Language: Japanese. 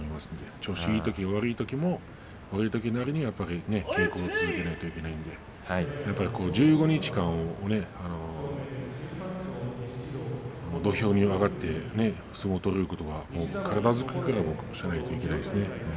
調子いいとき、悪いときも悪いときなりに稽古を続けないといけないので１５日間、土俵に上がって相撲を取ることは体作りをしないといけないですね。